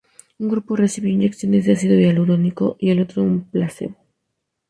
Un grupo recibió inyecciones de ácido hialurónico y el otro un placebo.